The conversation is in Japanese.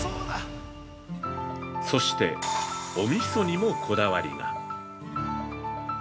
◆そして、おみそにもこだわりが！